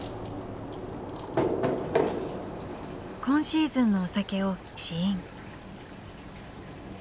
今シーズンのお酒を試飲。